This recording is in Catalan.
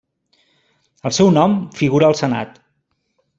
El seu nom figura al senat.